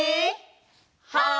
はい！